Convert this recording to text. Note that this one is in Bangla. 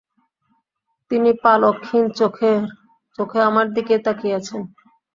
তিনি পলকহীন চোখে আমার দিকেই তাকিয়ে আছেন।